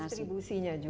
dan distribusinya juga